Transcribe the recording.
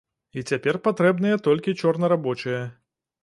І цяпер патрэбныя толькі чорнарабочыя.